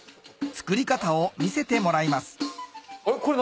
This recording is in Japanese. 作り方を見せてもらいますあれ？